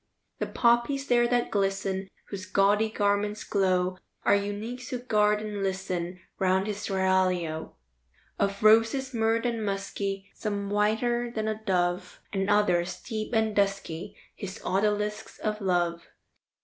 The poppies there that glisten, Whose gaudy garments glow, Are eunuchs who guard and listen Round his seraglio Of roses, myrrhed and musky; Some whiter than a dove, And others, deep and dusky, His odalisks of love.